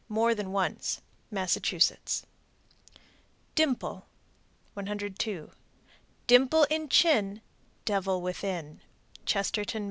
more than once. Massachusetts. DIMPLE. 102. Dimple in chin. Devil within. _Chestertown, Md.